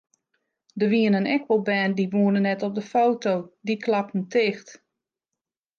Der wienen ek wol bern dy woenen net op de foto, dy klapten ticht.